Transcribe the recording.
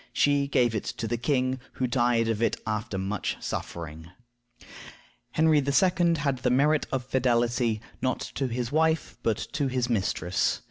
She gave it to the king, who died of it after much suffering. Henry II. had the merit of fidelity, not to his wife, but to his mistress.